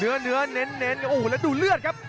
เนื้อเน้นโอ้โหแล้วดูเลือดครับ